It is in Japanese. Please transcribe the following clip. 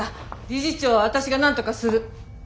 理事長は私がなんとかする。